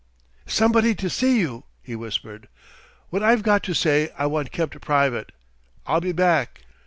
"Somebody to see you," he whispered. "What I've got to say I want kept private. I'll be back."